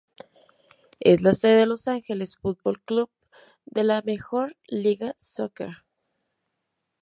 Es la sede del Los Angeles Football Club de la Major League Soccer.